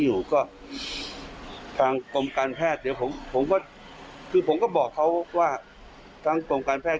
อยู่ก็ทางกรมการแพทย์เดี๋ยวผมผมก็คือผมก็บอกเขาว่าทั้งกรมการแพท